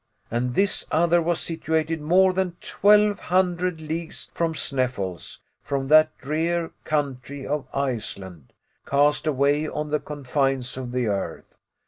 And this other was situated more than twelve hundred leagues from Sneffels from that drear country of Iceland cast away on the confines of the earth.